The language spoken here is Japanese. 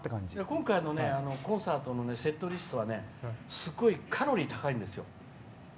今回のコンサートのセットリストはすごいカロリーが高いんですよ。